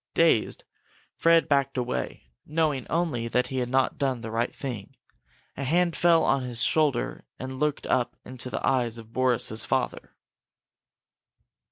Dazed, Fred backed away, knowing only that he had not done the right thing. A hand fell on his shoulder and he looked up into the eyes of Boris's father.